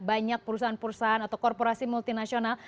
banyak perusahaan perusahaan atau korporasi multinasional